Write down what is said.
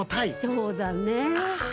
そうだねえ。